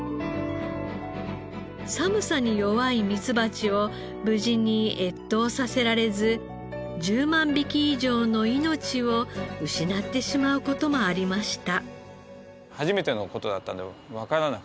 寒さに弱いミツバチを無事に越冬させられず１０万匹以上の命を失ってしまう事もありました。